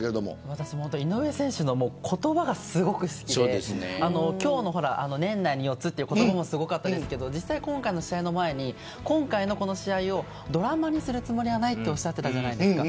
私、井上選手の言葉がすごく好きで年内に４つという言葉もすごいですが今回の試合の前に今回のこの試合をドラマにするつもりはないとおっしゃっていたじゃないですか。